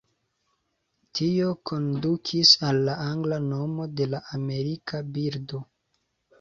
Tio kondukis al la angla nomo de la amerika birdo.